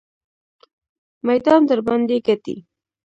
میدان درباندې ګټي.